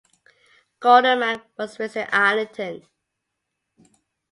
Godleman was raised in Islington.